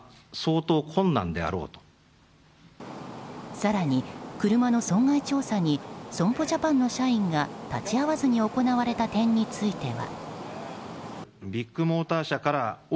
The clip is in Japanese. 更に、車の損害調査に損保ジャパンの社員が立ち会わずに行われた点については。